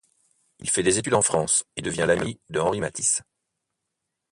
Il fait des études en France et devient l'ami de Henri Matisse.